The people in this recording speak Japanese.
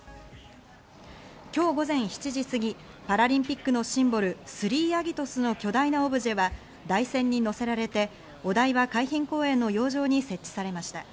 今日午前７時すぎ、パラリンピックのシンボル、スリーアギトスの巨大なオブジェは、台船に乗せられてお台場海浜公園の洋上に設置されました。